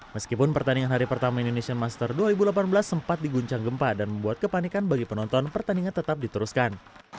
meskipun pertandingan hari pertama indonesian master dua ribu delapan belas sempat diguncang gempa dan membuat kepanikan bagi penonton pertandingan tetap diteruskan